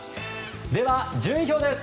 では、順位表です。